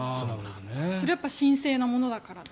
それは神聖なものだからとか？